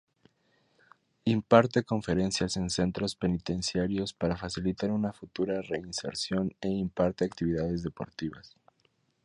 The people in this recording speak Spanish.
Imparte conferencias en Centros Penitenciarios para facilitar una futura reinserción e imparte actividades deportivas.